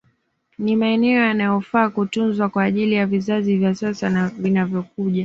Ni maeneo yanayofaa kutunzwa kwa ajili ya vizazi vya sasa na vinavyokuja